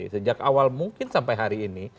sejak awal mungkin sampai hari ini